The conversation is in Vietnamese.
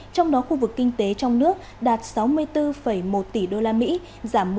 trong đó khu vực kinh tế trong nước đạt sáu mươi bốn một tỷ đô la mỹ giảm một mươi sáu một